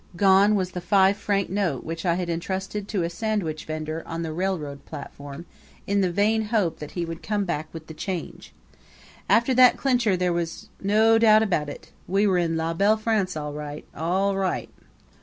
Gone was the five franc note which I had intrusted to a sandwich vender on the railroad platform in the vain hope that he would come back with the change. After that clincher there was no doubt about it we were in La Belle France all right, all right!